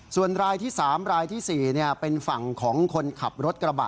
ส่วนรายที่๓รายที่๔เป็นฝั่งของคนขับรถกระบะ